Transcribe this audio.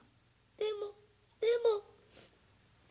でもでも。